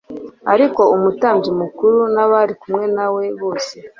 ariko umutambyi mukuru n abari kumwe na we bose